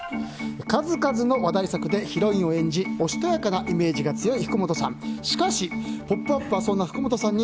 数々の話題作でヒロインを演じおしとやかなイメージが強い福本さん。